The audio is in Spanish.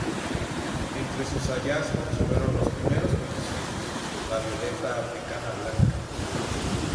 Entre sus hallazgos fueron los primeros conocidos la violeta africana blanca.